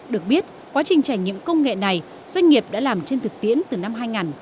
được biết quá trình trải nghiệm công nghệ này doanh nghiệp đã làm trên thực tiễn từ năm hai nghìn một mươi ba